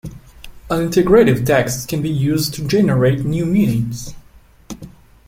An integrative text can be used to generate new meanings.